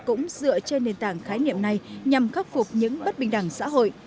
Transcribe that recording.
cũng dựa trên nền tảng khái niệm này nhằm khắc phục những bất bình đẳng xã hội